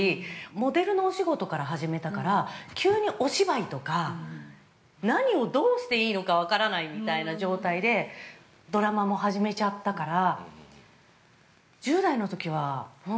モデルの仕事から始めたから急にお芝居とか、何をどうしていいのか分からないみたいな状態でドラマも始めちゃったから。